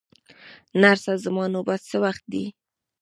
نرسه، زما نوبت څه وخت دی؟